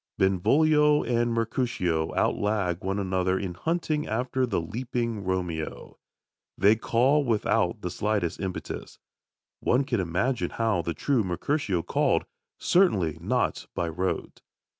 Benvolio and Mercutio outlag one another in hunting after the leaping Romeo. They call without the slightest impetus. One can imagine how the true Mercutio called certainly not by rote.